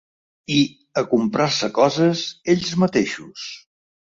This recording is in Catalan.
I a comprar-se coses ells mateixos.